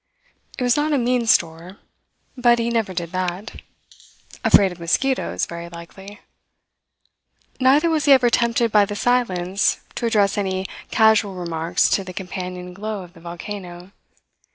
It was not a mean store. But he never did that. Afraid of mosquitoes, very likely. Neither was he ever tempted by the silence to address any casual remarks to the companion glow of the volcano.